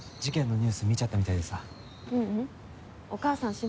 事件のニュース見ちゃったみたいでさ。